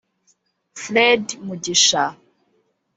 Fred Mugisha